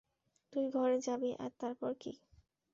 তুই ঘরে যাবি আর তারপর কি?